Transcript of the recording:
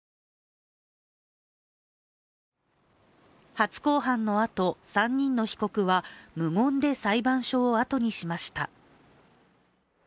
初公判のあと、３人の被告は無言で裁判所をあとにしました。